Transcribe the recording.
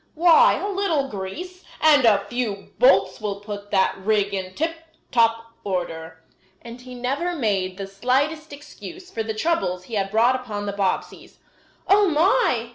Why, a little grease and a few bolts will put that rig in tip top order." And he never made the slightest excuse for the troubles he had brought upon the Bobbseys. "Oh, my!"